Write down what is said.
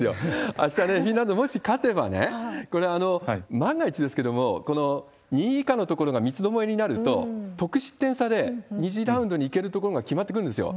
あした、フィンランド、もし勝てばね、万が一ですけれども、この２位以下のところが三つどもえになると、得失点差で２次ラウンドにいけるところが決まってくるんですよ。